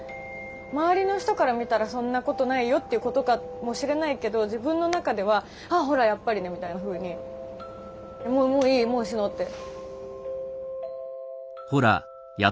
周りの人から見たらそんなことないよっていうことかもしれないけど自分の中では「ほら、やっぱりね」みたいなふうにもういいもう死のうって。